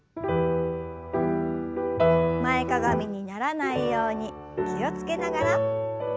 前かがみにならないように気を付けながら。